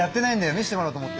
見してもらおうと思って。